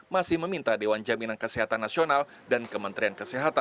masih meminta dewan jaminan kesehatan nasional untuk mencari layanan kesehatan